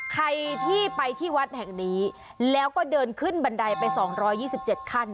ใครที่ไปที่วัดแห่งนี้แล้วก็เดินขึ้นบันไดไป๒๒๗ขั้น